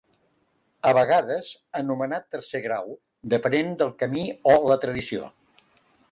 A vegades anomenat Tercer Grau, depenent del camí o la tradició.